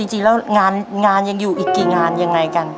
จริงแล้วงานยังอยู่อีกกี่งานยังไงกัน